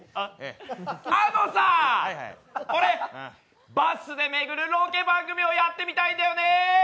あとさ、俺、バスで巡るロケ番組をやってみたいんだよね。